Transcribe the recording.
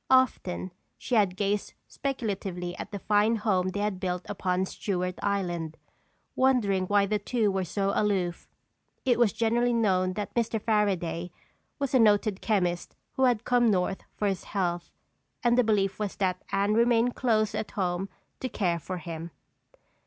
Often she had gazed speculatively at the fine home they had built upon Stewart Island, wondering why the two were so aloof. It was generally known that Mr. Fairaday was a noted chemist who had come North for his health and the belief was that Anne remained close at home to care for him.